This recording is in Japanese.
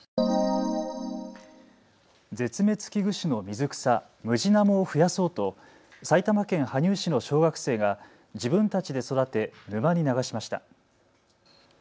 絶滅危惧種の水草、ムジナモを増やそうと埼玉県羽生市の小学生が自分たちで育て沼に流しました。